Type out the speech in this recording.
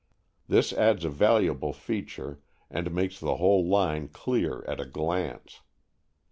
This adds a valuable feature, and makes the whole line clear at a glance.